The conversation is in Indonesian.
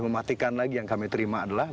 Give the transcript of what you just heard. mematikan lagi yang kami terima adalah